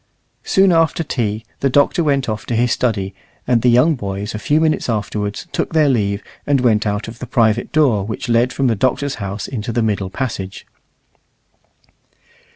Soon after tea the Doctor went off to his study, and the young boys a few minutes afterwards took their leave and went out of the private door which led from the Doctor's house into the middle passage.